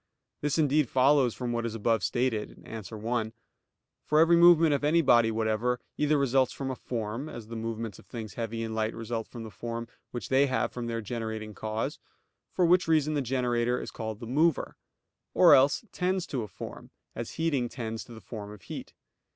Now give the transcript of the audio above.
This indeed follows from what is above stated (A. 1). For every movement of any body whatever, either results from a form, as the movements of things heavy and light result from the form which they have from their generating cause, for which reason the generator is called the mover; or else tends to a form, as heating tends to the form of heat.